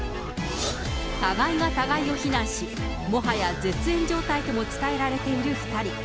互いが互いを非難し、もはや絶縁状態とも伝えられている２人。